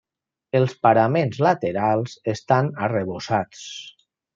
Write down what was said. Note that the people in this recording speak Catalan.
Els paraments laterals estan arrebossats.